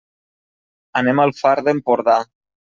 Anem al Far d'Empordà.